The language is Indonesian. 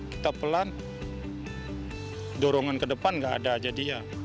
pelan pelan dorongan ke depan nggak ada aja dia